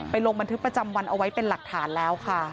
ลงบันทึกประจำวันเอาไว้เป็นหลักฐานแล้วค่ะ